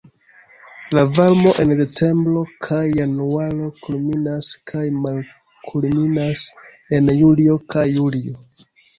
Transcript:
La varmo en decembro kaj januaro kulminas kaj malkulminas en julio kaj julio.